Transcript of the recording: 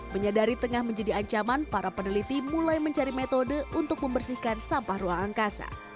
menyadari tengah menjadi ancaman para peneliti mulai mencari metode untuk membersihkan sampah ruang angkasa